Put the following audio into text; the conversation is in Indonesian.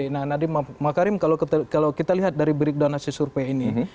nah nadiem makarim kalau kita lihat dari berik donasi survei ini